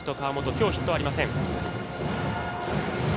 今日、ヒットありません。